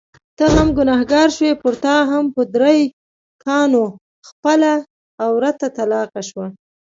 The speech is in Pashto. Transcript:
ته هم ګنهګار شوې، پرتا هم په درې کاڼو خپله عورته طلاقه شوه.